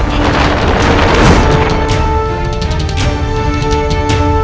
kau akan menang